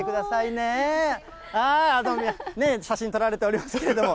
ねぇ、写真撮られておりますけれども。